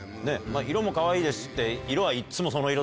「色もかわいいです」って。